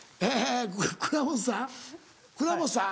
倉本さん倉本さん？